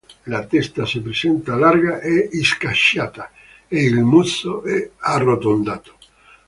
La testa si presenta larga e schiacciata ed il muso è arrotondato.